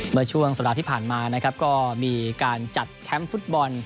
เมื่อช่วงสัปดาห์ที่ผ่านมานะครับก็มีการจัดแคมป์ฟุตบอล